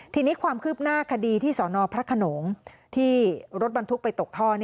ทีนี้ความคืบหน้าคดีที่สนพระขนงที่รถบรรทุกไปตกท่อ